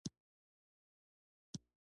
بیا به پوره شي ؟